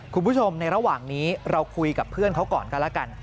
คุณผู้ชมในระหว่างนี้เราคุยกับเพื่อนเขาก่อนกันแล้วกัน